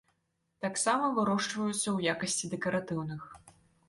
Таксама вырошчваюцца ў якасці дэкаратыўных.